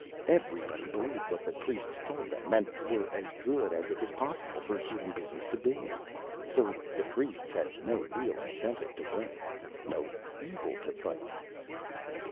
Everybody believed what the priests told them and were as good as it was possible for human beings to be. So, the priests had no real incentive to work, no evil to fight.